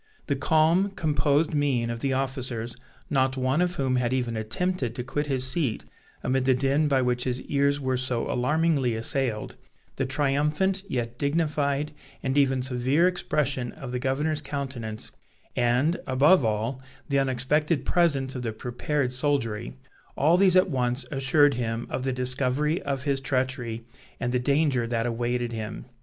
The calm, composed mien of the officers, not one of whom had even attempted to quit his seat amid the din by which his ears were so alarmingly assailed, the triumphant, yet dignified, and even severe expression of the governor's countenance; and, above all, the unexpected presence of the prepared soldiery, all these at once assured him of the discovery of his treachery, and the danger that awaited him.